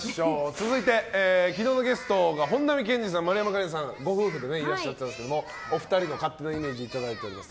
続いて、昨日のゲストが本並健治さん、丸山桂里奈さんご夫婦でいらっしゃってたんですがお二人の勝手なイメージいただいております。